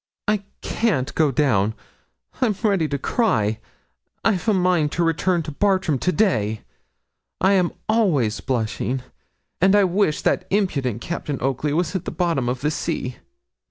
'I can't go down I'm ready to cry I've a mind to return to Bartram to day; I am always blushing; and I wish that impudent Captain Oakley was at the bottom of the sea.'